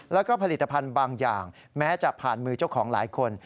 แล้วก็ผลิตภัณฑ์บางอย่างแม้จะผ่านมือเจ้าของหลายคน